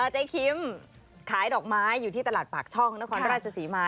เจ๊คิมอยู่ที่ตลาดปากช่องนครราชสีมา